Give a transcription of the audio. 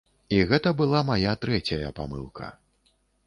І гэта была мая трэцяя памылка.